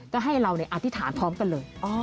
ก็ให้เราอธิษฐานพร้อมกันเลย